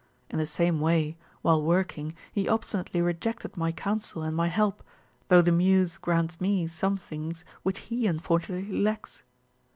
In the same way, while working, he obstinately rejected my counsel and my help, though the Muse grants me some things which he unfortunately lacks.